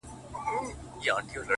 د ژوندون ساه د ژوند وږمه ماته كړه ـ